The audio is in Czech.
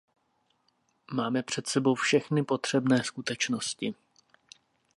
Máme před sebou všechny potřebné skutečnosti.